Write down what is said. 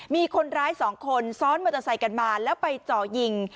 มีคนร้ายสองคนซ้อนมอเตอร์ไซค์กันมาแล้วไปเจาะยิง